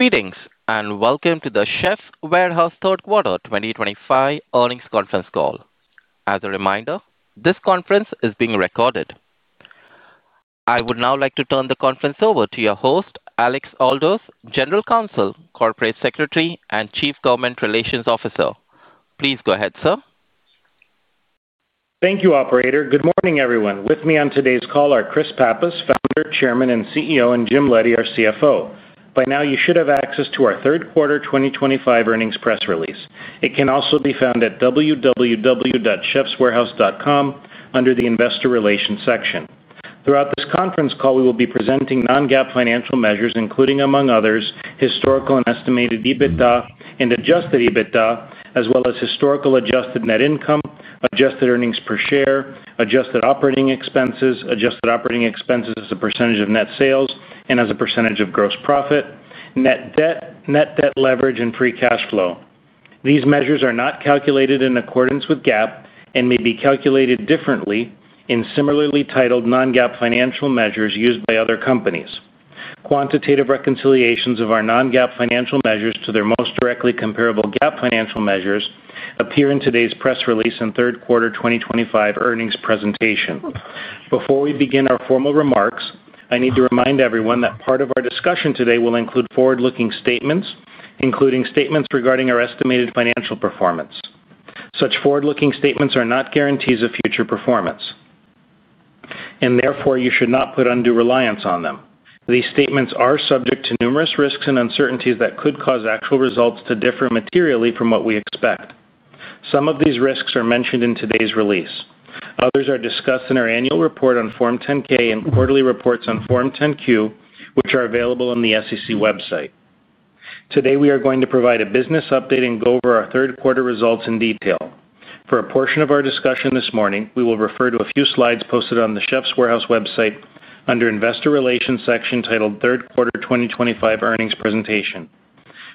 Greetings and welcome to The Chefs' Warehouse third quarter 2025 earnings conference call. As a reminder, this conference is being recorded. I would now like to turn the conference over to your host, Alex Aldous, General Counsel, Corporate Secretary, and Chief Government Relations Officer. Please go ahead, sir. Thank you, Operator. Good morning, everyone. With me on today's call are Chris Pappas, Founder, Chairman and CEO, and Jim Leddy, our CFO. By now you should have access to our third quarter 2025 earnings press release. It can also be found at www.chefswarehouse.com under the Investor Relations section. Throughout this conference call we will be presenting non-GAAP financial measures including, among others, historical and estimated EBITDA and adjusted EBITDA, as well as historical adjusted net income, adjusted earnings per share, adjusted operating expenses, adjusted operating expenses as a percentage of net sales and as a percentage of gross profit, net debt, net debt leverage, and free cash flow. These measures are not calculated in accordance with GAAP and may be calculated differently in similarly titled non-GAAP financial measures used by other companies. Quantitative reconciliations of our non-GAAP financial measures to their most directly comparable GAAP financial measures appear in today's press release and third quarter 2025 earnings presentation. Before we begin our formal remarks, I need to remind everyone that part of our discussion today will include forward-looking statements, including statements regarding our estimated financial performance. Such forward-looking statements are not guarantees of future performance and therefore you should not put undue reliance on them. These statements are subject to numerous risks and uncertainties that could cause actual results to differ materially from what we expect. Some of these risks are mentioned in today's release. Others are discussed in our annual report on Form 10-K and quarterly reports on Form 10-Q, which are available on the SEC website. Today we are going to provide a business update and go over our third quarter results in detail. For a portion of our discussion this morning we will refer to a few slides posted on The Chefs' Warehouse website under Investor Relations section titled Third Quarter 2025 Earnings Presentation.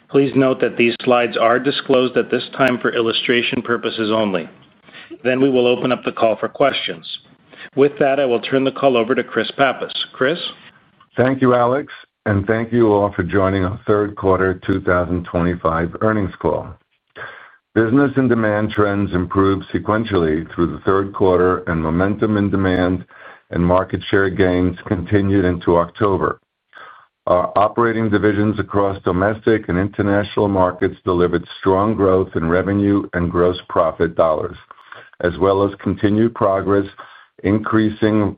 Please note that these slides are disclosed at this time for illustration purposes only. We will open up the call for questions. With that, I will turn the call over to Chris Pappas. Chris, thank you, Alex, and thank you all for joining our third quarter 2025 earnings call. Business and demand trends improved sequentially through the third quarter, and momentum in demand and market share gains continued into October. Our operating divisions across domestic and international markets delivered strong growth in revenue and gross profit dollars, as well as continued progress increasing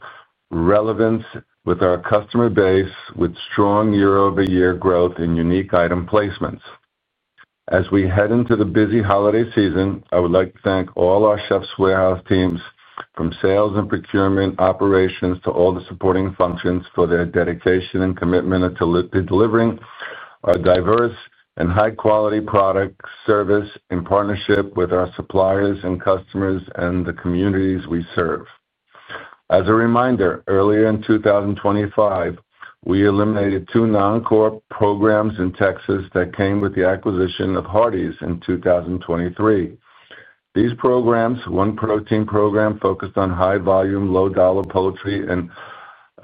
relevance with our customer base with strong year-over-year growth and unique item placements. As we head into the busy holiday season, I would like to thank all our Chefs' Warehouse teams from sales and procurement operations to all the supporting functions for their dedication and commitment to delivering our diverse and high-quality product service in partnership with our suppliers and customers and the communities we serve. As a reminder, earlier in 2025 we eliminated two non-core programs in Texas that came with the acquisition of Hardie’s in 2023. These programs, one protein program focused on high-volume, low-dollar poultry, and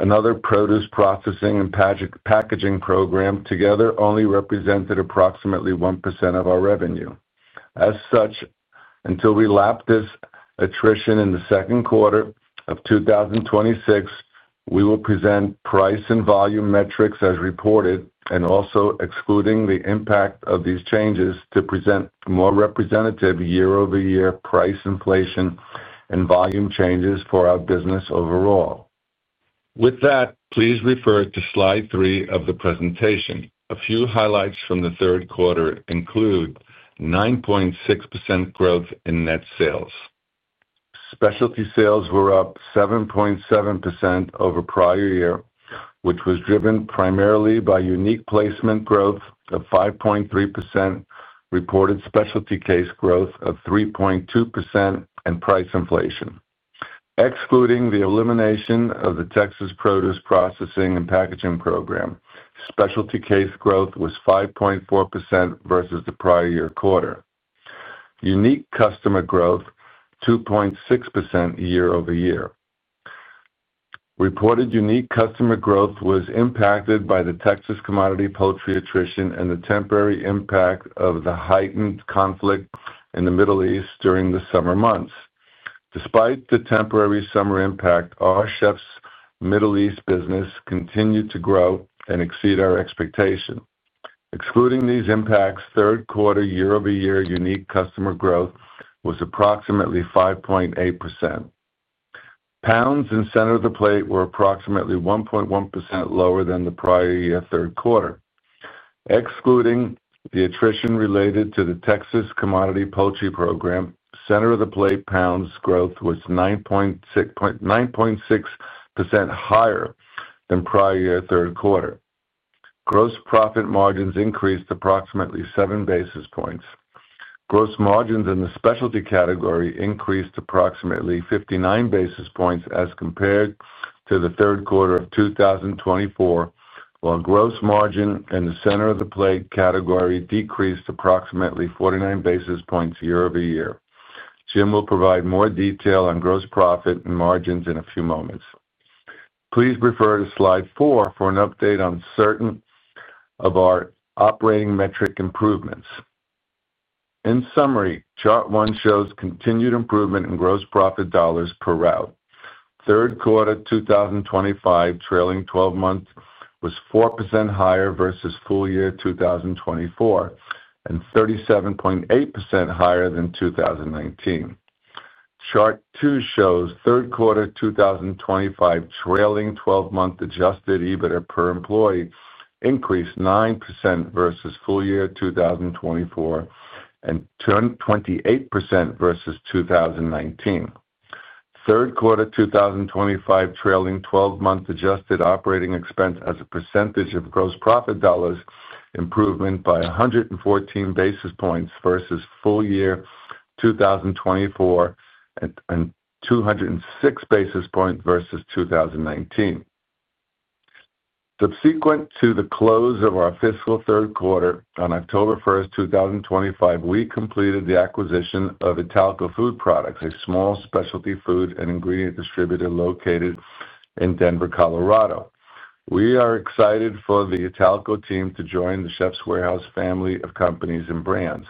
another produce processing and packaging program, together only represented approximately 1% of our revenue. As such, until we lap this attrition in the second quarter of 2026, we will present price and volume metrics as reported and also excluding the impact of these changes to present more representative year-over-year price inflation and volume changes for our business overall. With that, please refer to Slide 3 of the presentation. A few highlights from the third quarter include 9.6% growth in net sales. Specialty sales were up 7.7% over prior year, which was driven primarily by unique placement growth of 5.3%, reported specialty case growth of 3.2%, and price inflation. Excluding the elimination of the Texas Produce Processing and Packaging Program, specialty case growth was 5.4% versus the prior year quarter. Unique customer growth was 2.6% year-over-year. Reported unique customer growth was impacted by the Texas commodity poultry attrition and the temporary impact of the heightened conflict in the Middle East during the summer months. Despite the temporary summer impact, our Chefs' Warehouse Middle East business continued to grow and exceed our expectations. Excluding these impacts, third quarter year-over-year unique customer growth was approximately 5.8%. Pounds in center-of-the-plate proteins were approximately 1.1% lower than the prior year. Third quarter, excluding the attrition related to the Texas Commodity Poultry Program, center-of-the-plate pounds growth was 9.6% higher than prior year. Third quarter gross profit margins increased approximately 7 basis points. Gross margins in the specialty category increased approximately 59 basis points as compared to the third quarter of 2024, while gross margin in the center-of-the-plate category decreased approximately 49 basis points year-over-year. Jim will provide more detail on gross profit and margins in a few moments. Please refer to Slide 4 for an update on certain of our operating metric improvements. In summary, Chart 1 shows continued improvement in gross profit dollars per route. Third quarter 2025 trailing twelve month was 4% higher versus full year 2024 and 37.8% higher than 2019. Chart 2 shows third quarter 2025 trailing twelve month adjusted EBITDA per employee increased 9% versus full year 2024 and 28% versus 2019. Third quarter 2025 trailing twelve month adjusted operating expense as a percentage of gross profit dollars improved by 114 basis points versus full year 2024 and 206 basis points versus 2019. Subsequent to the close of our fiscal third quarter on October 1, 2025, we completed the acquisition of Italco Food Products, a small specialty food and ingredient distributor located in Denver, Colorado. We are excited for the Italco team to join The Chefs' Warehouse family of companies and brands.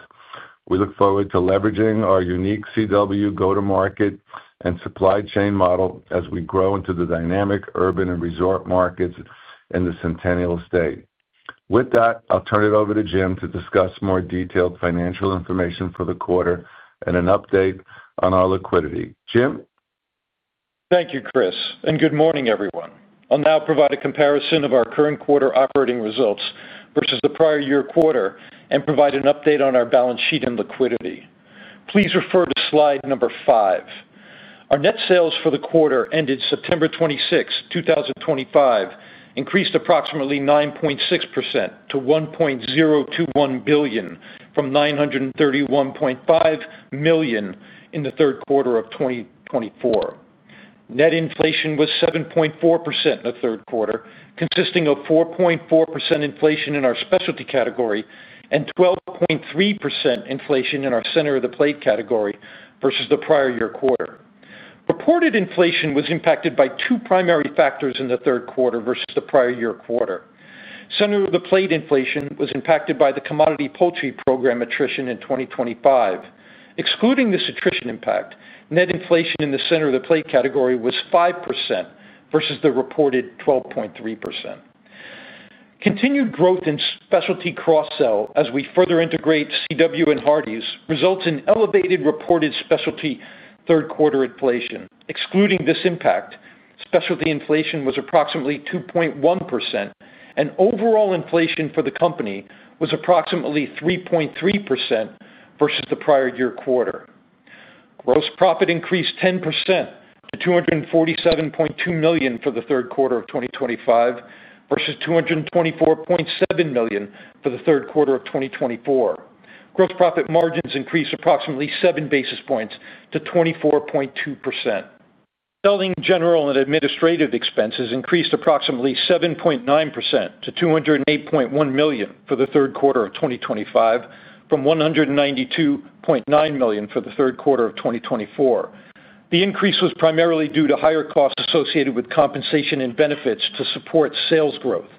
We look forward to leveraging our unique CW go-to-market and supply chain model as we grow into the dynamic urban and resort markets in the Centennial State. With that, I'll turn it over to Jim to discuss more detailed financial information for the quarter and an update on our liquidity. Jim, thank you, Chris, and good morning, everyone. I'll now provide a comparison of our current quarter operating results versus the prior year quarter and provide an update on our balance sheet and liquidity. Please refer to slide number five. Our net sales for the quarter ended September 26, 2025, increased approximately 9.6% to $1.021 billion from $931.5 million in the third quarter of 2024. Net inflation was 7.4% in the third quarter, consisting of 4.4% inflation in our specialty category and 12.3% inflation in our center-of-the-plate category versus the prior year quarter. Reported inflation was impacted by two primary factors in the third quarter versus the prior year quarter. Center-of-the-plate inflation was impacted by the commodity poultry program attrition in 2025. Excluding this attrition impact, net inflation in the center-of-the-plate category was 5% versus the reported 12.3%. Continued growth in specialty cross-sell as we further integrate CW and Hardie’s results in elevated reported specialty third quarter inflation. Excluding this impact, specialty inflation was approximately 2.1% and overall inflation for the company was approximately 3.3% versus the prior year quarter. Gross profit increased 10% to $247.2 million for the third quarter of 2025 versus $224.7 million for the third quarter of 2024. Gross profit margins increased approximately 7 basis points to 24.2%. Selling, general, and administrative expenses increased approximately 7.9% to $208.1 million for the third quarter of 2025 from $192 million for the third quarter of 2024. The increase was primarily due to higher costs associated with compensation and benefits to support sales growth,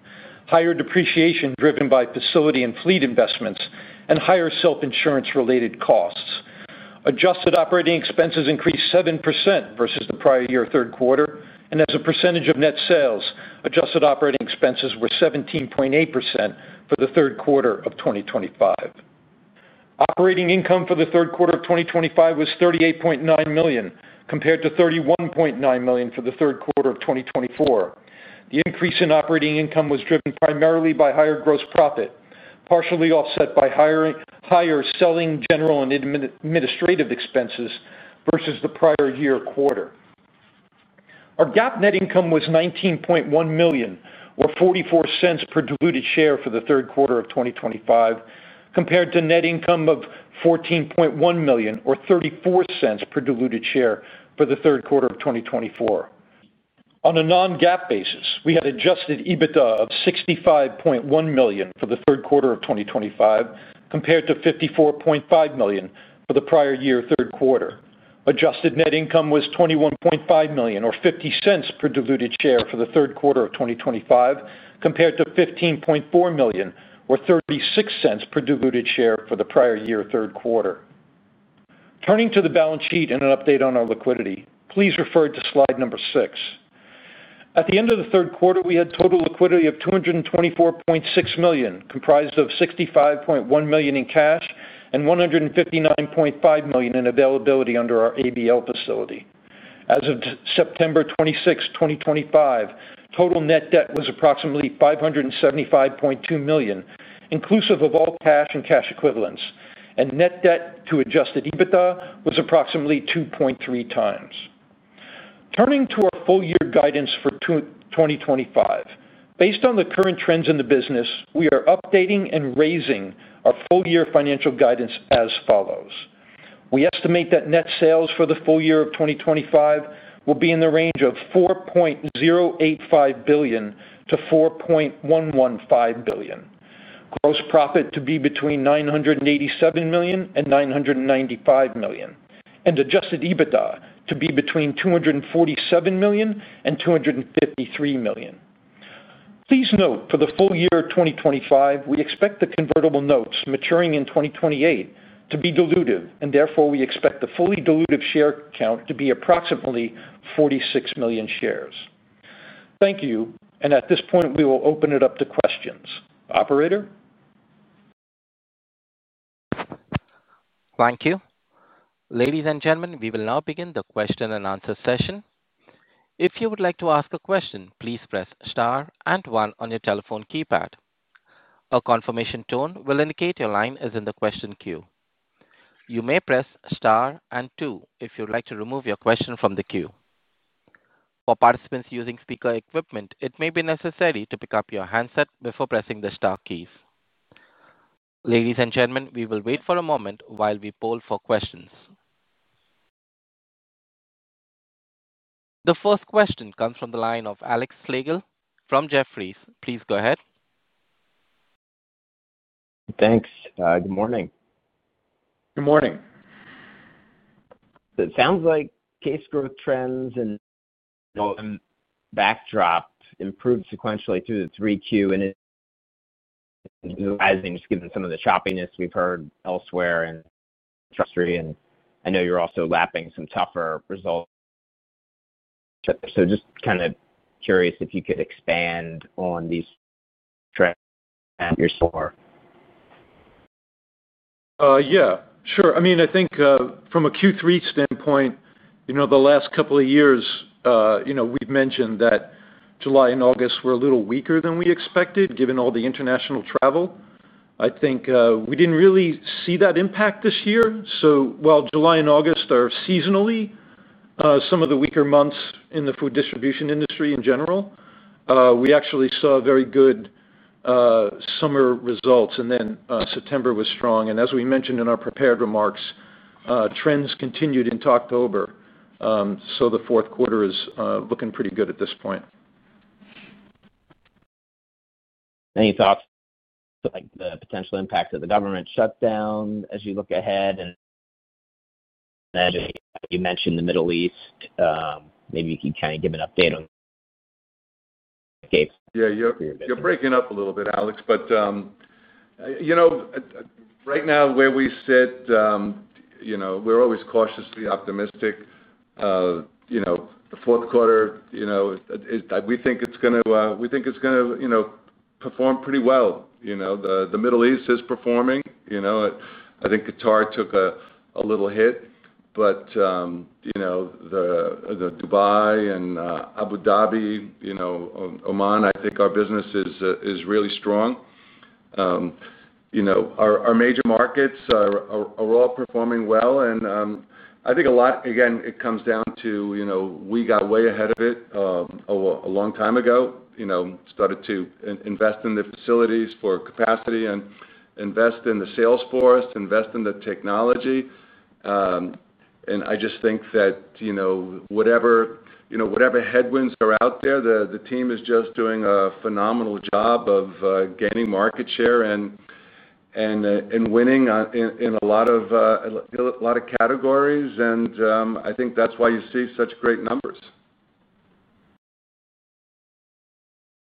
higher depreciation driven by facility and fleet investments, and higher self-insurance related costs. Adjusted operating expenses increased 7% versus the prior year third quarter, and as a percentage of net sales, adjusted operating expenses were 17.8% for the third quarter of 2025. Operating income for the third quarter of 2025 was $38.9 million compared to $31.9 million for the third quarter of 2024. The increase in operating income was driven primarily by higher gross profit, partially offset by higher selling, general, and administrative expenses versus the prior year quarter. Our GAAP net income was $19.1 million or $0.44 per diluted share for the third quarter of 2025, compared to net income of $14.1 million or $0.34 per diluted share for the third quarter of 2024. On a non-GAAP basis, we had adjusted EBITDA of $65.1 million for the third quarter of 2025 compared to $54.5 million for the prior year third quarter. Adjusted net income was $21.5 million or $0.50 per diluted share for the third quarter of 2025 compared to $15.4 million or $0.36 per diluted share for the prior year third quarter. Turning to the balance sheet and an update on our liquidity, please refer to slide number 6. At the end of the third quarter, we had total liquidity of $224.6 million comprised of $65.1 million in cash and $159.5 million in availability under our ABL facility. As of September 26, 2025, total net debt was approximately $575.2 million inclusive of all cash and cash equivalents, and net debt to adjusted EBITDA was approximately 2.3 times. Turning to our full year guidance for 2025, based on the current trends in the business, we are updating and raising our full year financial guidance as follows. We estimate that net sales for the full year of 2025 will be in the range of $4.085 billion-$4.115 billion, gross profit to be between $987 million and $995 million, and adjusted EBITDA to be between $247 million and $253 million. Please note, for the full year 2025 we expect the convertible notes maturing in 2028 to be dilutive and therefore we expect the fully dilutive share count to be approximately 46 million shares. Thank you and at this point, we will open it up to questions. Operator. Thank you, ladies and gentlemen. We will now begin the question and answer session. If you would like to ask a question, please press star and one on your telephone keypad. A confirmation tone will indicate your line is in the question queue. You may press star and two if you would like to remove your question from the queue. For participants using speaker equipment, it may be necessary to pick up your handset before pressing the star keys. Ladies and gentlemen, we will wait for a moment while we poll for questions. The first question comes from the line of Alexander Russell Slagle from Jefferies LLC. Please go ahead. Thanks. Good morning. Good morning. It sounds like case growth trends and backdrop improved sequentially through the three Qs and just given some of the choppiness we've heard elsewhere in the industry, and I know you're also lapping some tougher results. I'm just kind of curious if you could expand on these trends. Yeah, sure. I mean, I think from a Q3 standpoint, the last couple of years, we've mentioned that July and August were a little weaker than we expected, given all the international travel. I think we didn't really see that impact this year. While July and August are seasonally some of the weaker months in the food distribution industry in general, we actually saw very good summer results, and then September was strong. As we mentioned in our prepared remarks, trends continued into October. The fourth quarter is looking pretty good at this point. Any thoughts on the potential impact of the government shutdown as you look ahead? You mentioned the Middle East, maybe you can kind of give an update. Yeah, you're breaking up a little bit, Alex. Right now where we sit, we're always cautiously optimistic. The fourth quarter, we think it's going to perform pretty well. The Middle East is performing. I think Qatar took a little hit, but Dubai and Abu Dhabi, Oman, I think our business is really strong. Our major markets are all performing well. I think a lot, again, it comes down to we got way ahead of it a long time ago. We started to invest in the facilities for capacity and invest in the sales force, invest in the technology. I just think that whatever headwinds are out there, the team is just doing a phenomenal job of gaining market share and winning in a lot of categories. I think that's why you see such great numbers.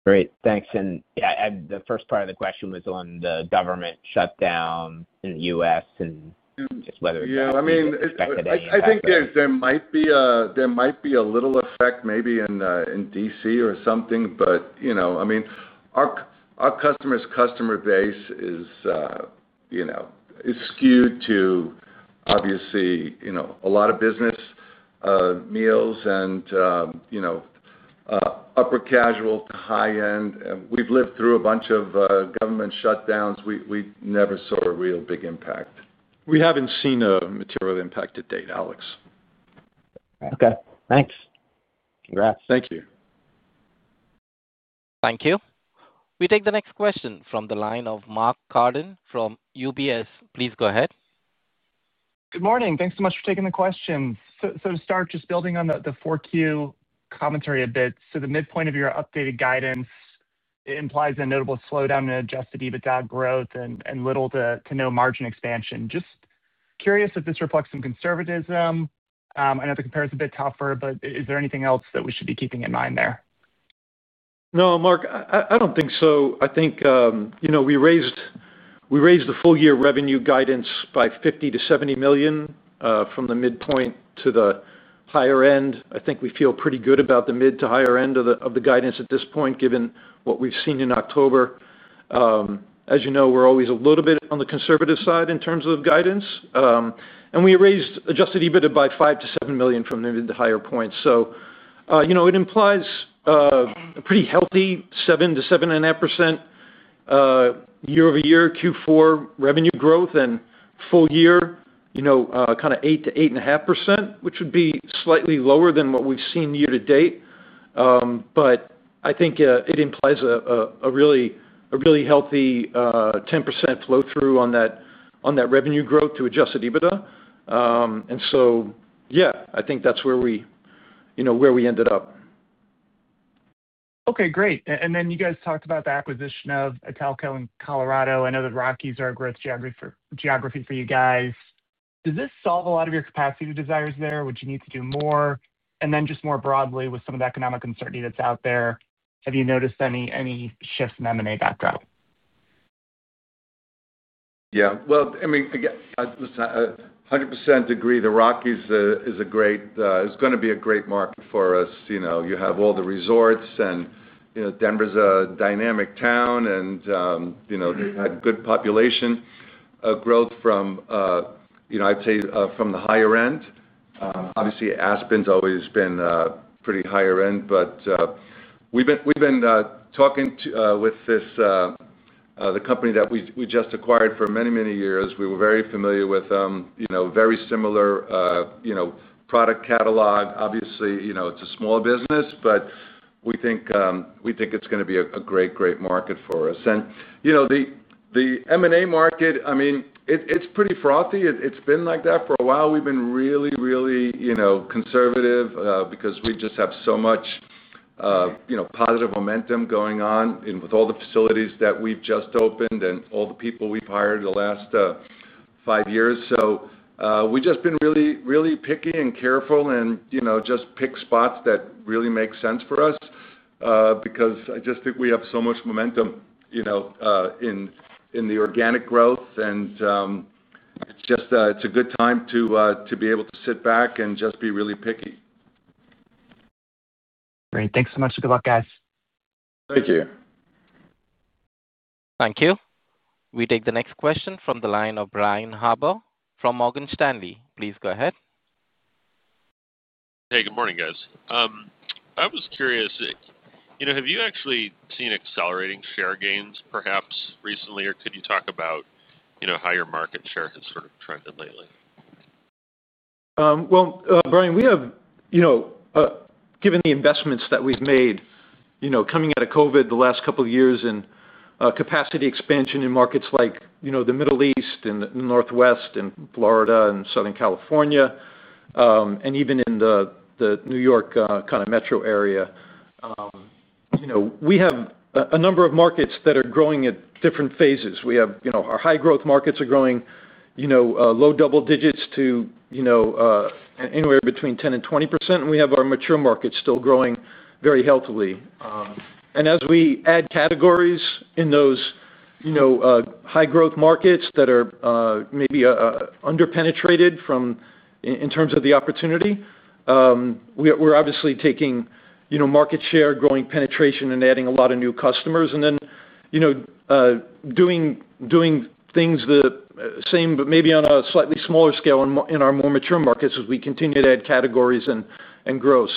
Great. Thanks. The first part of the question was on the government shutdown in the U.S. and just whether I think there might be a little effect maybe in D.C. or something. You know, our customer base is, you know, is skewed to obviously, you know, a lot of business meals and, you know, upper casual to high end. We've lived through a bunch of government shutdowns. We never saw a real big impact. We haven't seen a material impact to date, Alex. Okay, thanks. Congrats. Thank you. Thank you. We take the next question from the line of Mark David Carden from UBS Investment Bank. Please go ahead. Good morning. Thanks so much for taking the question. To start, just building on the 4Q commentary a bit. The midpoint of your updated guidance implies a notable slowdown in adjusted EBITDA growth and little to no margin expansion. Just curious if this reflects some conservatism. I know the compare is a bit tougher, but is there anything else? We should be keeping in mind there? No, Mark, I don't think so. I think we raised the full year revenue guidance by $50 million-$70 million from the midpoint to the higher end. I think we feel pretty good about the mid to higher end of the guidance at this point given what we've seen in October. As you know, we're always a little bit on the conservative side in terms of guidance. We raised adjusted EBITDA by $5 million-$7 million from the mid higher points. It implies a pretty healthy 7% to 7.5% year-over-year Q4 revenue growth and full year, you know, kind of 8% to 8.5% which would be slightly lower than what we've seen year to date. I think it implies a really healthy 10% flow through on that revenue growth to adjusted EBITDA. I think that's where we, you know, where we ended up. Okay, great. You guys talked about the acquisition of Italco in Colorado. I know the Rockies are a growth geography for you guys. Does this solve a lot of your capacity desires there? Would you need to do more? More broadly with some of the economic uncertainty that's out there, have you noticed any shifts in M&A backdrop? Yeah, I mean, listen, 100% agree. The Rockies is a great, it's going to be a great market for us. You know, you have all the resorts and Denver's a dynamic town and good population growth from, I'd say, from the higher end. Obviously, Aspen's always been pretty higher end, but we've been talking with this, the company that we just acquired for many, many years. We were very familiar with very similar product catalog. Obviously, it's a small business, but we think it's going to be a great, great market for us. You know, the M&A market, I mean, it's pretty frothy. It's been like that for a while. We've been really, really, you know, conservative because we just have so much, you know, positive momentum going on with all the facilities that we've just opened and all the people we've hired the last five years. We've just been really, really picky and careful and, you know, just pick spots that really make sense for us because I just think we have so much momentum, you know, in the organic growth and it's just, it's a good time to be able to sit back and just be really picky. Great. Thanks so much. Good luck, guys. Thank you. Thank you. We take the next question from the line of Brian Harbour from Morgan Stanley. Please go ahead. Hey, good morning guys. I was curious, you know, have you actually seen accelerating share gains, perhaps recently. Could you talk about, you know how has your market share sort of trended lately? Given the investments that we've made coming out of COVID the last couple years in capacity expansion in markets like the Middle East and Northwest and Florida and Southern California and even in the New York kind of metro area, we have a number of markets that are growing at different phases. Our high growth markets are growing low double digits to anywhere between 10% and 20%. We have our mature markets still growing very healthily. As we add categories in those high growth markets that are maybe under penetrated in terms of the opportunity, we're obviously taking market share, growing penetration, and adding a lot of new customers. And then doing things the same, but maybe on a slightly smaller scale in our more mature markets as we continue to add categories and grow.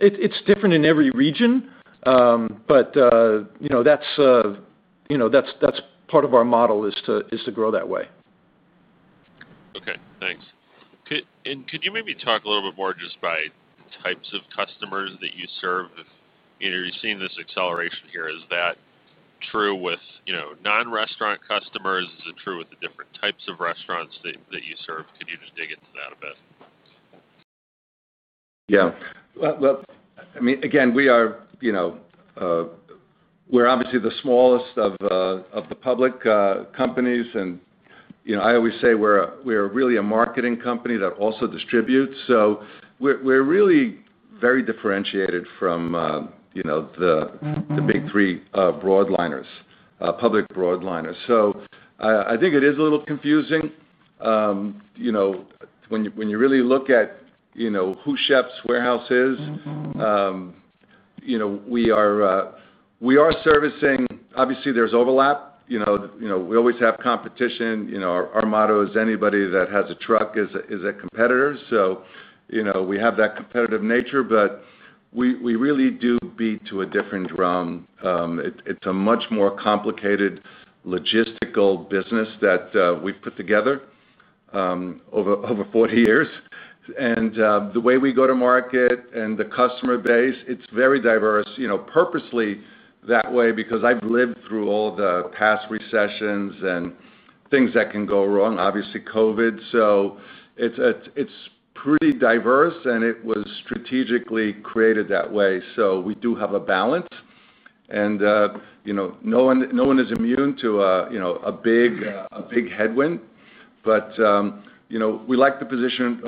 It is different in every region, but that is part of our model to grow that way. Okay, thanks. Could you maybe talk a little bit more just by types of customers that you serve? Are you seeing this acceleration here? Is that true with non-restaurant customers? Is it true with the different types of restaurants that you serve customers? Could you just dig into that a bit? Yeah, I mean, again, we are, you know, we're obviously the smallest of the public companies, and I always say we are really a marketing company that also distributes. We're really very differentiated from the big three public broadliners. I think it is a little confusing when you really look at who The Chefs' Warehouse is we are servicing. Obviously, there's overlap. We always have competition. Our motto is anybody that has a truck is a competitor. We have that competitive nature. We really do beat to a different drum. It's a much more complicated logistical business that we put together over 40 years. The way we go to market and the customer base, it's very diverse, purposely that way because I've lived through all the past recessions and things that can go wrong, obviously. COVID. It's pretty diverse, and it was strategically created that way. We do have a balance and no one is immune to a big headwind. We like the position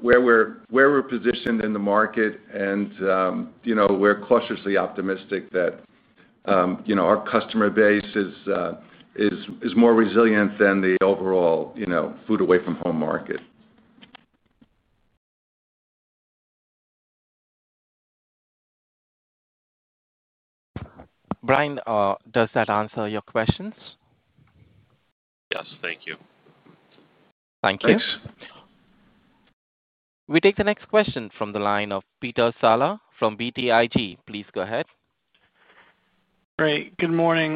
where we're positioned in the market, and we're cautiously optimistic that our customer base is more resilient than the overall food away from home market. Brian, does that answer your questions? Yes. Thank you. Thank you. We take the next question from the line of Peter Mokhlis Saleh from BTIG LLC. Please go ahead. Great. Good morning.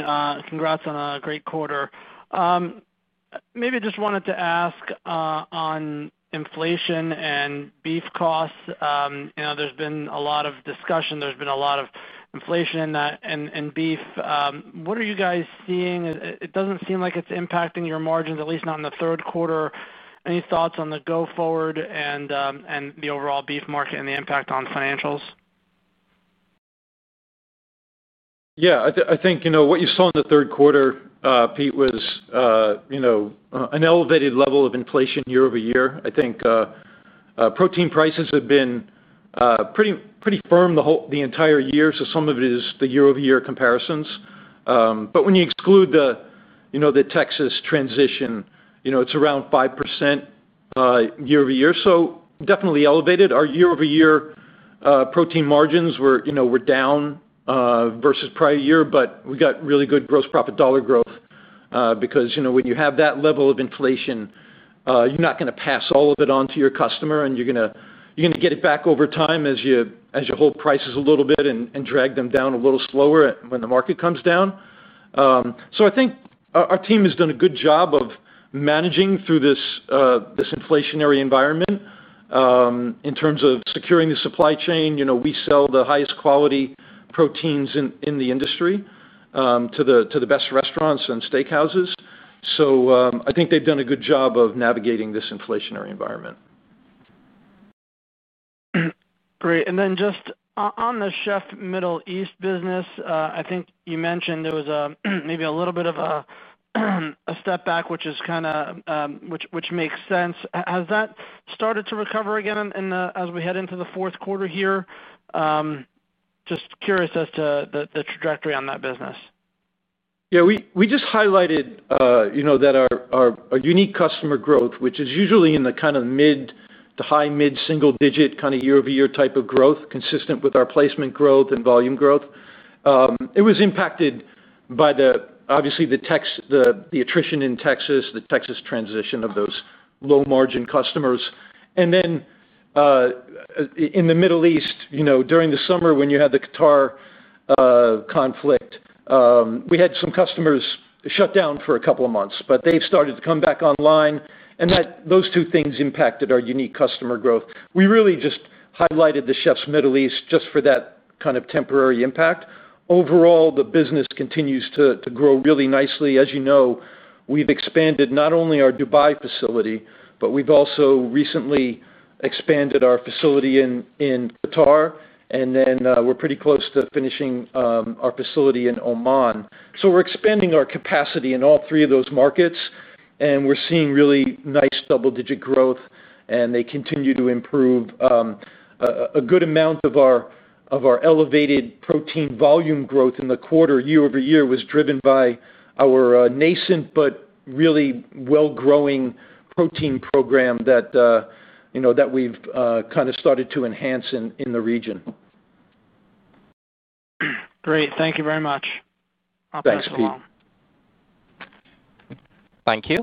Congrats on a great quarter. Maybe I just wanted to ask, on inflation and beef costs, there's been a lot of discussion. There's been a lot of inflation in beef. What are you guys seeing? It doesn't seem like it's impacting your margins, at least not in the third quarter. Any thoughts on the go forward and the overall beef market and the impact on financials? I think what you saw in the third quarter, Peter, was an elevated level of inflation year-over-year. I think protein prices have been pretty firm the entire year. Some of it is the year-over-year comparisons, but when you exclude the Texas transition, it's around 5% year-over-year. Definitely elevated. Our year-over-year protein margins were down versus prior year, but we got really good gross profit, dollar growth. When you have that level of inflation, you're not going to pass all of it on to your customer and you're going to get it back over time as you hold prices a little bit and drag them down a little slower when the market comes down. I think our team has done a good job of managing through this inflationary environment in terms of securing the supply chain. We sell the highest quality proteins in the industry to the best restaurants and steakhouses. I think they've done a good job of navigating this inflationary environment. Great. On the Chefs' Middle East business, I think you mentioned there was maybe a little bit of a step back, which makes sense. Has that started to recover again as we head into the fourth quarter here? Just curious as to the trajectory on that business. Yes, we just highlighted that our unique customer growth, which is usually in the mid to high, mid single digit year-over-year type of growth consistent with our placement growth and volume growth. It was impacted by the attrition in Texas, the Texas transition of those low margin customers. In the Middle East during the summer when you had the Qatar conflict, we had some customers shut down for a couple of months, but they started to come back online and those two things impacted our unique customer growth. We really just highlighted the Chefs' Middle East for that temporary impact. Overall, the business continues to grow really nicely. As you know, we've expanded not only our Dubai facility, but we've also recently expanded our facility in Qatar and we're pretty close to finishing our facility in Oman. We're expanding our capacity in all three of those markets and we're seeing really nice double-digit growth and they continue to improve. A good amount of our elevated protein volume growth in the quarter year-over-year was driven by our nascent but really well growing protein program that we've started to enhance in the region. Great, thank you very much. Thanks Peter. Thank you.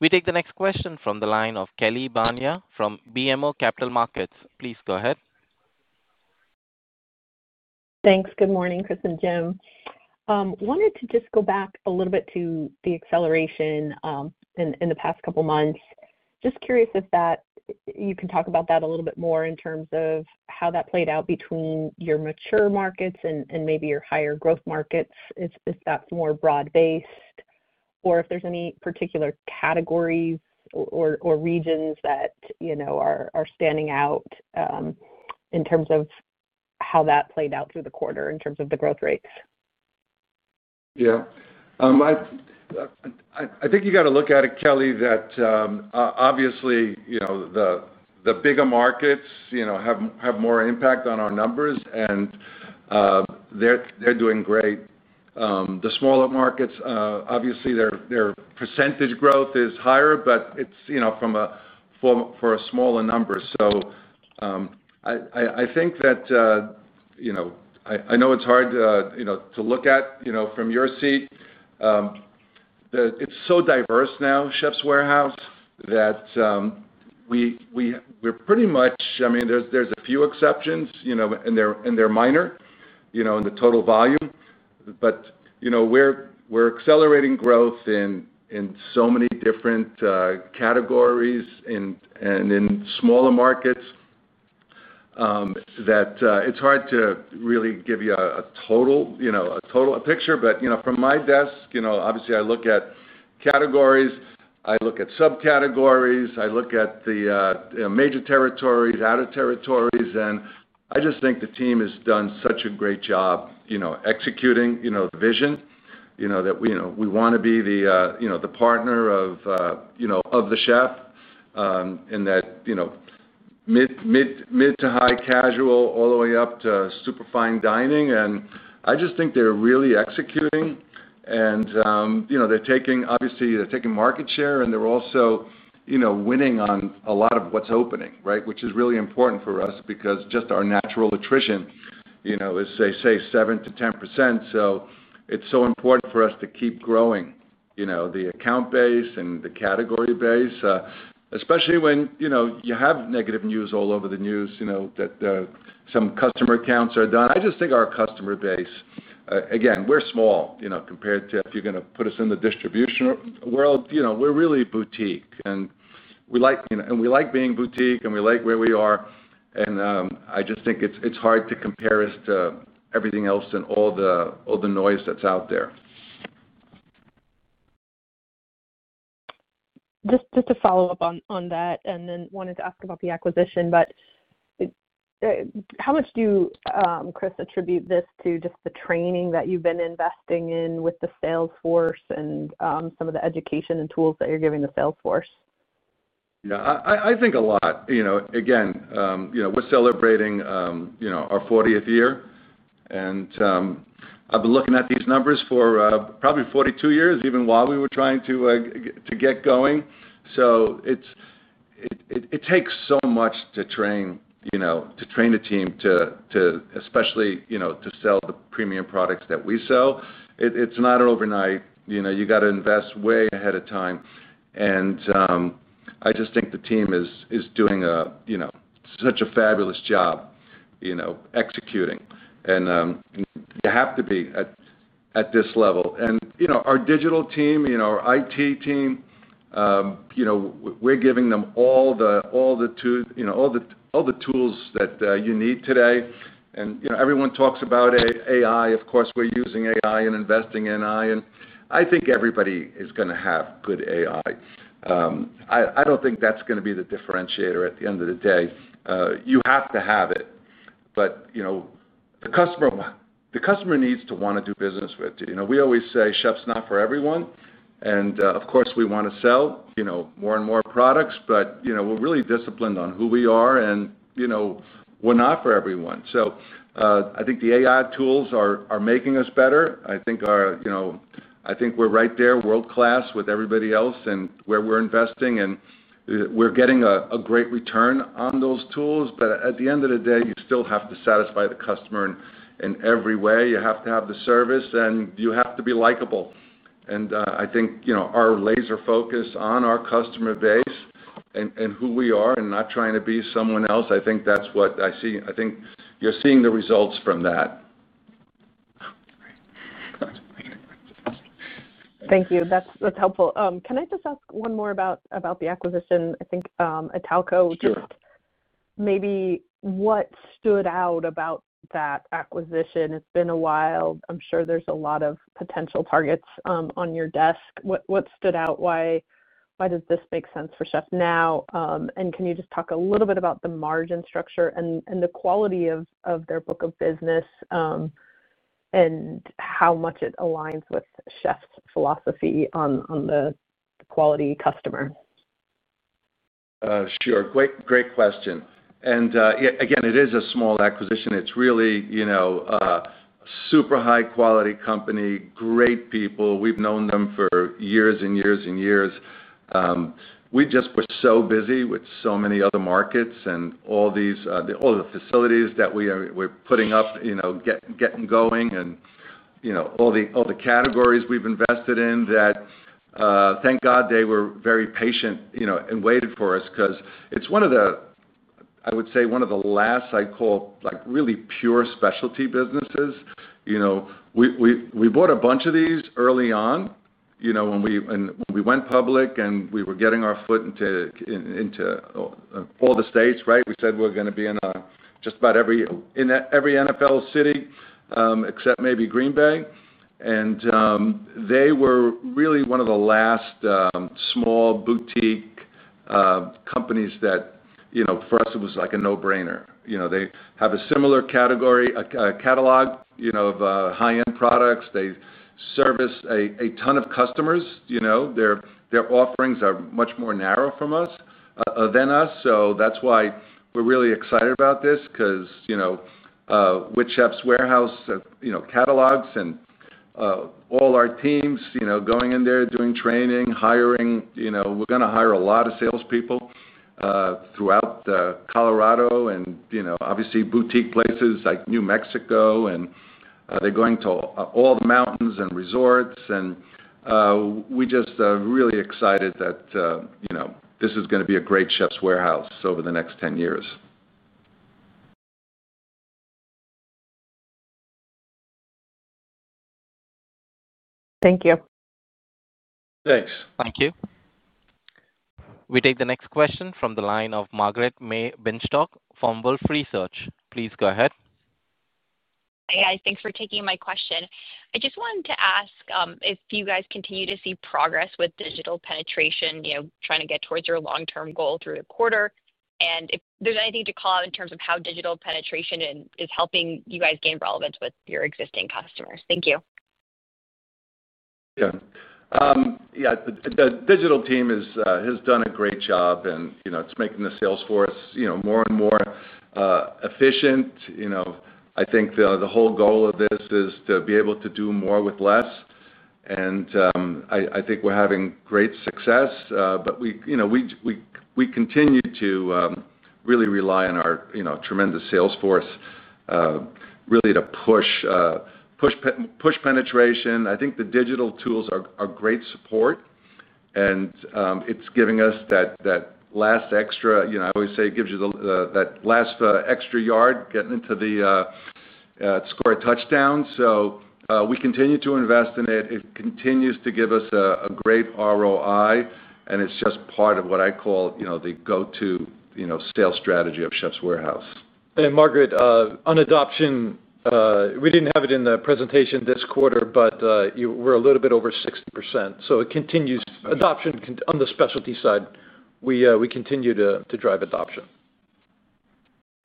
We take the next question from the line of Kelly Ann Bania from BMO Capital Markets. Please go ahead. Thanks. Good morning. Chris and Jim, wanted to just go back a little bit to the acceleration in the past couple months. Just curious if you can talk about that a little bit more in terms of how that played out between your mature markets and maybe your higher growth markets, if that's more broad based or if there's any particular categories or regions that are standing out in terms of how that played out through the quarter in terms of the growth rates. Yeah. I think you got to look at it, Kelly, that obviously the bigger markets have more impact on our numbers and they're doing great. The smaller markets, obviously their % growth is higher, but it's for a smaller number. I know it's hard to look at from your seat. It's so diverse now, The Chefs' Warehouse, that we're pretty much, I mean there's a few exceptions, you know, and they're minor in the total volume. We're accelerating growth in so many different categories and in smaller markets that it's hard to really give you a total picture. From my desk, obviously I look at categories, I look at subcategories, I look at the major territories, outer territories, and I just think the team has done such a great job executing the vision, that we want to be the partner of the chef in that mid to high casual all the way up to super fine dining. I just think they're really executing and they're taking market share and they're also winning on a lot of what's opening. Right? Which is really important for us because just our natural attrition is they say 7%-10%. It's so important for us to keep growing the account base and the category base, especially when you have negative news all over the news that some customer accounts are done. I just think our customer base, again, we're small compared to if you're going to put us in the distribution world, we're really boutique, and we like being boutique and we like where we are. I just think it's hard to compare us to everything else and all the noise that's out there. Just to follow up on that. I wanted to ask about the acquisition, but how much do you, Chris, attribute this to just the training that you've been investing in with the salesforce and some of the education and tools that you're giving the salesforce. Yeah, I think a lot. You know, we're celebrating our 40th year, and I've been looking at these numbers for probably 42 years, even while we were trying to get going. It takes so much to train a team, especially to sell the premium products that we sell. It's not an overnight process, you have to invest way ahead of time. I just think the team is doing such a fabulous job executing, and you have to be at this level. Our digital team, our IT team, we're giving them all the tools that you need today. Everyone talks about AI. Of course, we're using AI and investing in AI, and I think everybody is going to have good AI. I don't think that's going to be the differentiator, at the end of the day. You have to have it, but the customer needs to want to do business with you. We always say The Chefs' Warehouse is not for everyone and of course we want to sell more and more products, but we're really disciplined on who we are and we're not for everyone. I think the AI tools are making us better. I think we're right there, world class with everybody else in where we're investing and we're getting a great return on those tools. At the end of the day, you still have to satisfy the customer in every way. You have to have the service and you have to be likable. I think our laser focus is on our customer base and who we are and not trying to be someone else. That's what I see. I think you're seeing the results from that. Thank you. That's helpful. Can I just ask one more about the acquisition? I think Italco, maybe what stood out about that acquisition? It's been a while. I'm sure there's a lot of potential targets on your desk. What stood out? Why does this make sense for The Chefs' Warehouse now? Can you just talk a little bit about the margin structure and the quality of their book of business and how much it aligns with The Chefs' Warehouse's philosophy on the quality customer? Sure. Great question. It is a small acquisition. It's really a super high quality company. Great people. We've known them for years and years and years. We just were so busy with so many other markets and all the facilities that we're putting up, getting going and all the categories we've invested in. Thank God they were very patient and waited for us because it's one of the, I would say, one of the last, I call like really pure specialty businesses. We bought a bunch of these early on when we went public and we were getting our foot into all the states, right. We said we're going to be in just about every, in every NFL city except maybe Green Bay. They were really one of the last small boutique companies that, for us, it was like a no brainer. They have a similar category catalog of high end products. They service a ton of customers. Their offerings are much more narrow than us. That's why we're really excited about this because The Chefs' Warehouse catalogs and all our teams going in there, doing training, hiring, we're going to hire a lot of salespeople throughout Colorado and obviously boutique places like New Mexico, and they're going to all the mountains and resorts. We just really excited that this is going to be a great Chefs' Warehouse over the next 10 years. Thank you. Thanks. Thank you. We take the next question from the line of Margaret-May Binshtok from Wolfe Research, please. Go ahead. Hi, guys. Thanks for taking my question. I just wanted to ask if you guys continue to see progress with digital penetration trying to get towards your long term goal through the quarter, and if there's anything to call out in terms of how digital penetration is helping you guys gain relevance with your existing customers. Thank you. The digital team has done a great job, and it's making the salesforce more and more efficient. I think the whole goal of this is to be able to do more with less. I think we're having great success. We continue to really rely on our tremendous salesforce to push, push, push penetration. I think the digital tools are great support, and it's giving us that last extra, you know, I always say it gives you that last extra yard getting into the score, a touchdown. We continue to invest in it. It continues to give us a great ROI, and it's just part of what I call the go-to sales strategy of The Chefs' Warehouse. Margaret, on adoption, we didn't have it in the presentation this quarter, but we're a little bit over 60%. It continues. Adoption on the specialty side, we continue to drive adoption.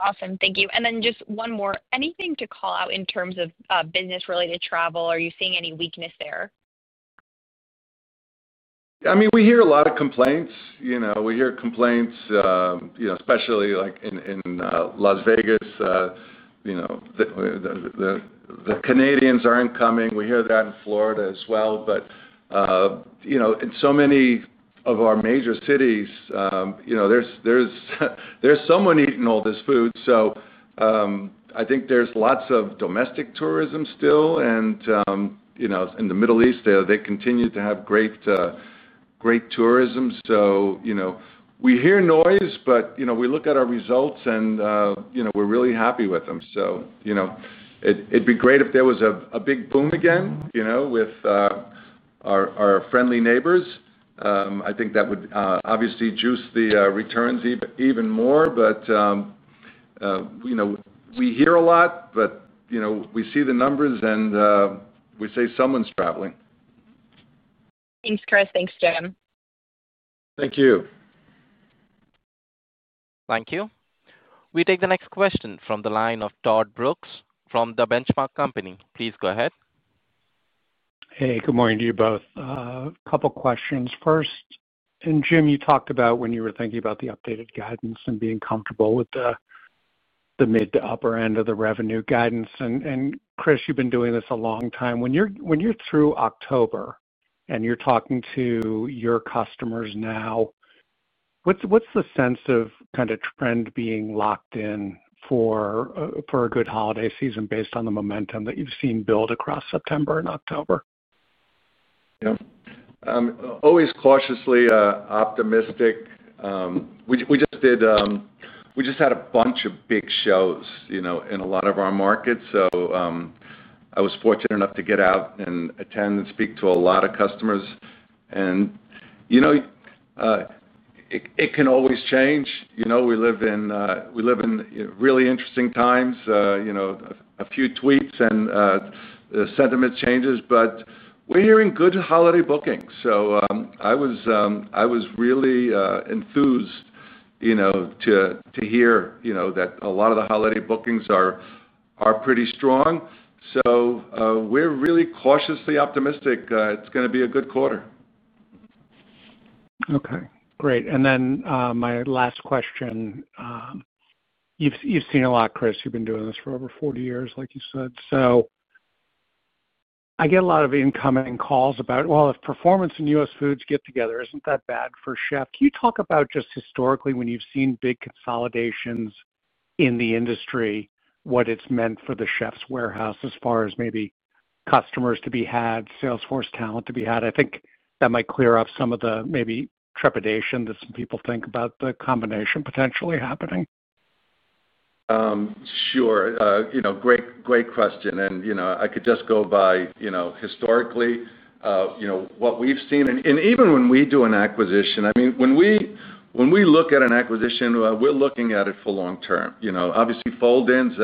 Awesome, thank you. Just one more. Anything to call out in terms of business related travel? Are you seeing any weakness there? I mean, we hear a lot of complaints. We hear complaints, especially like in Las Vegas. The Canadians are incoming. We hear that in Florida as well. In so many of our major cities, there's someone eating all this food. I think there's lots of domestic tourism still. In the Middle East they continue to have great, great tourism. We hear noise, but we look at our results and we're really happy with them. It'd be great if there was a big boom again with our friendly neighbors. I think that would obviously juice the returns even more. We hear a lot, but we see the numbers and we say, someone's traveling. Thanks, Chris. Thanks, Jim. Thank you. Thank you. We take the next question from the line of Todd Brooks from The Benchmark Company. Please go ahead. Hey, good morning to you both. Couple questions first. Jim, you talked about when you were thinking about the updated guidance and being comfortable with the mid to upper end of the revenue guidance. Chris, you've been doing this a long time. When you're through October and you're talking to your customers now, what's the sense of trend being locked in for a good holiday season based on the momentum that you've seen build across September and October? Always cautiously optimistic. We just had a bunch of big shows in a lot of our markets. I was fortunate enough to get out and attend and speak to a lot of customers. It can always change. We live in really interesting times. A few tweets and sentiment changes, but we're hearing good holiday bookings. I was really enthused to hear that a lot of the holiday bookings are pretty strong. We're really cautiously optimistic. It's going to be a good quarter. Okay, great. My last question. You've seen a lot, Chris, you've been doing this for over 40 years, like you said. I get a lot of incoming calls about, if Performance and US Foods get together, isn't that bad for The Chefs' Warehouse? Can you talk about just historically, when you've seen big consolidations in the industry, what it's meant for The Chefs' Warehouse as far as maybe customers to be had, salesforce talent to be had? I think that might clear up some of the maybe trepidation that some people think about the combination potentially happening. Sure. Great, great question. I could just go by, historically, what we've seen. Even when we do an acquisition, I mean, when we look at an acquisition, we're looking at it for long term, obviously, fold ins.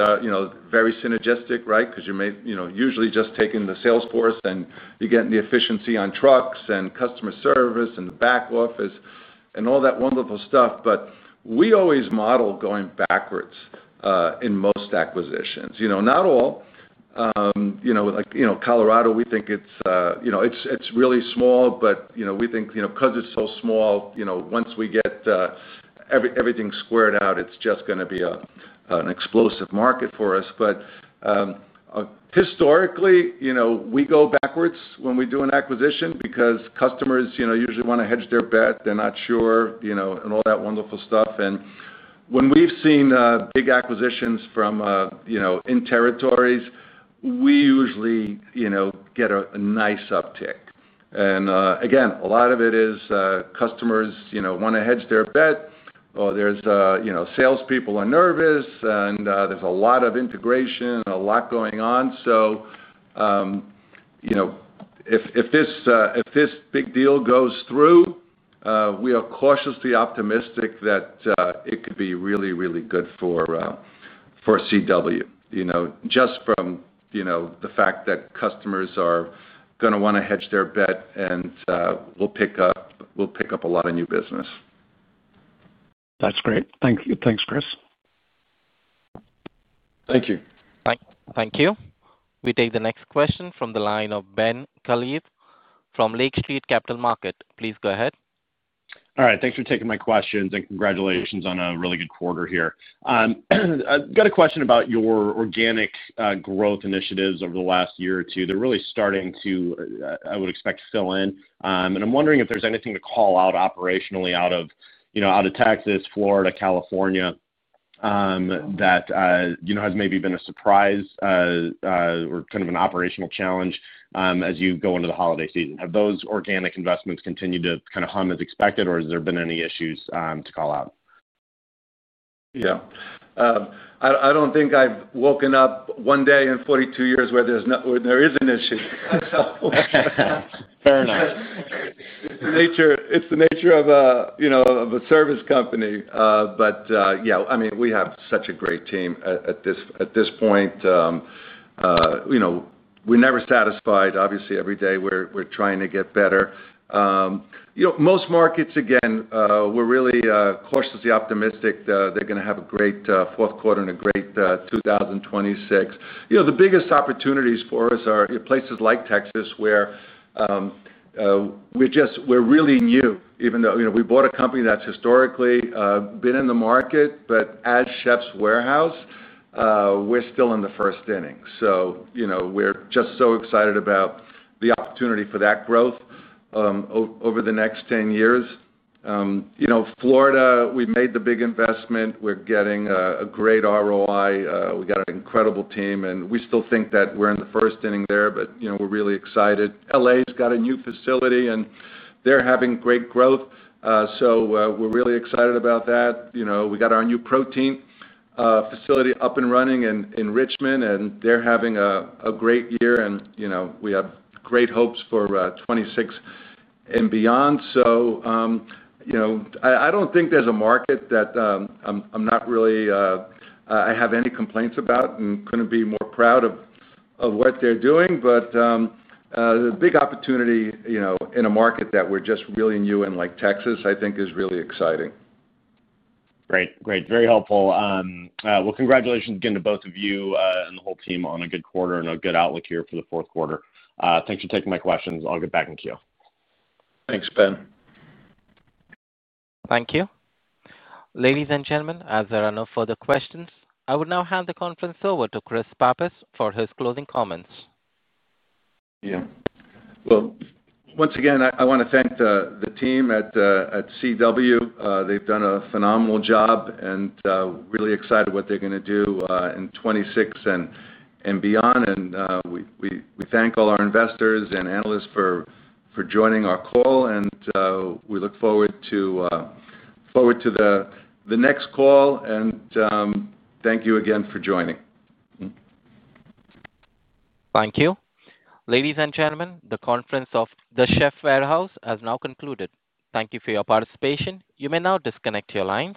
Very synergistic. Right. You may usually just take in the salesforce and you're getting the efficiency on trucks and customer service and the back office and all that wonderful stuff. We always model going backwards in most acquisitions, not all. Colorado, we think it's really small, but we think because it's so small, once we get everything squared out, it's just going to be an explosive market for us. Historically, we go backwards when we do an acquisition because customers usually want to hedge their bet, they're not sure and all that wonderful stuff. When we've seen big acquisitions in territories, we usually get a nice uptick and again, a lot of it is customers want to hedge their bet. Their salespeople are nervous and there's a lot of integration and a lot going on. If this big deal goes through, we are cautiously optimistic that it could be really, really good for The Chefs' Warehouse just from the fact that customers are going to want to hedge their bet and we'll pick up a lot of new business. That's great. Thanks, Chris. Thank you. Thank you. We take the next question from the line of Ben Klieve from Lake Street Capital Markets. Please go ahead. All right, thanks for taking my questions and congratulations on a really good quarter here. Got a question about your organic growth initiatives over the last year or two. They're really starting to, I would expect, fill in. I'm wondering if there's anything to call out operationally out of Texas, Florida, California that has maybe been a surprise or kind of an operational challenge as you go into the holiday season. Have those organic investments continued to kind of hung as expected, or has there been any issues to call out? Yeah, I don't think I've woken up one day in 42 years where there isn't an issue. Fair enough. It's the nature of a service company. Yeah, I mean, we have such a great team at this point. We're never satisfied, obviously. Every day we're trying to get better in most markets. Again, we're really cautiously optimistic. They're going to have a great fourth quarter and a great 2026. You know, the biggest opportunities for us are places like Texas where we're just, we're really new. Even though, you know, we bought a company that's historically been in the market. As The Chefs' Warehouse, we're still in the first inning. You know, we're just so excited about the opportunity for that growth over the next 10 years. You know, Florida, we made the big investment. We're getting a great ROI, we got an incredible team, and we still think that we're in the first inning there. You know, we're really excited. L.A.'s got a new facility and they're having great growth. We're really excited about that. You know, we got our new protein facility up and running in Richmond and they're having a great year and, you know, we have great hopes for 2026 and beyond. You know, I don't think there's a market that I have any complaints about and couldn't be more proud of what they're doing. The big opportunity in a market that we're just really new in, like Texas, I think is really exciting. Great, great. Very helpful. Congratulations again to both of you. The whole team on a good quarter and a good outlook here for the fourth quarter. Thanks for taking my questions. I'll get back in queue. Thanks, Ben. Thank you. Ladies and gentlemen, as there are no further questions, I would now hand the conference over to Chris Pappas for his closing comments. Yeah. I want to thank the team at The Chefs' Warehouse. They've done a phenomenal job and I'm really excited about what they're going to do in 2016 and beyond. We thank all our investors and analysts for joining our call. We look forward to the next call and thank you again for joining. Thank you. Ladies and gentlemen, the conference of The Chefs' Warehouse has now concluded. Thank you for your participation. You may now disconnect your lines.